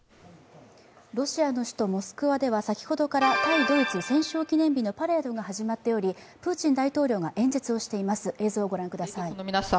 ロシアの首都モスクワでは先ほどから対ドイツ戦勝記念日のパレードが始まっておりプーチン大統領が演説をしています。